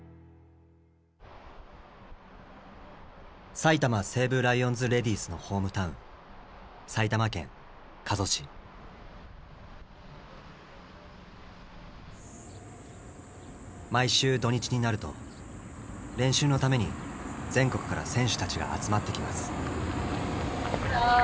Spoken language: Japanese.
埼玉西武ライオンズ・レディースのホームタウン毎週土日になると練習のために全国から選手たちが集まってきます。